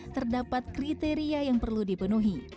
terdapat kriteria yang perlu dipenuhi